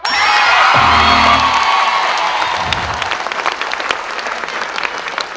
ได้ครับ